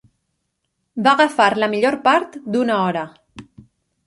Va agafar la millor part d'una hora.